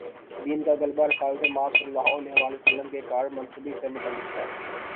دین کا غلبہ رسالت مآبﷺ کے کار منصبی سے متعلق تھا۔